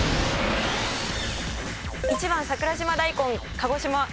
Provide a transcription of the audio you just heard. １番桜島大根鹿児島。